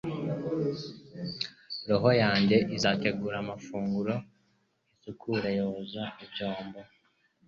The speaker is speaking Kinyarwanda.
Robo yanjye izategura amafunguro isukure yoza ibyombo